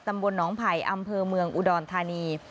ตำบลหนองไผ่อำเภอเมืองอุดรธานี